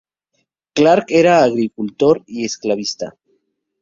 Clark era agricultor, y esclavista.